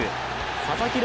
佐々木朗